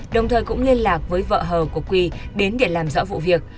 đồng thời cũng liên lạc với vợ hờ của quy đến để làm rõ vụ việc